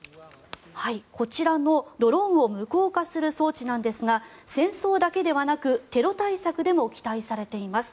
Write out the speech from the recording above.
こちらのドローンを無効化する装置なんですが戦争だけではなくテロ対策でも期待されています。